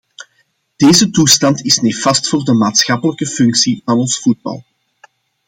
Deze toestand is nefast voor de maatschappelijke functie van ons voetbal.